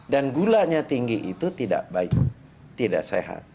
dan gulanya tinggi itu tidak baik tidak sehat